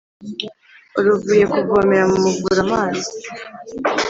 waruvuye kuvomera mumuvure amazi